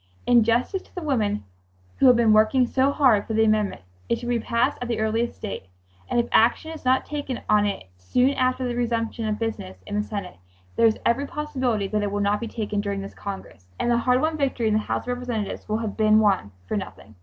"In justice to the women who have been working so hard for the amendment it should be passed at the earliest date, and if action is not taken on it soon after the resumption of business in the Senate there is every possibility that it will not be taken during this Congress, and the hard won victory in the House of Representatives will have been won for nothing."